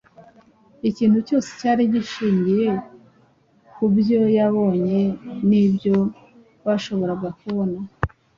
Ikintu cyose cyari gishingiye ku byo babonye n’ibyo bashobora kubona.